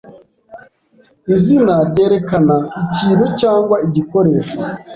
izina ryerekana ikintu cyangwa igikoresho